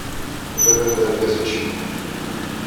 Baba-m d argaz i icebḥen.